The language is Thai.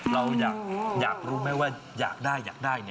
เราอยากรู้ไหมว่าอยากได้อยากได้